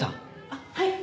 あっはい。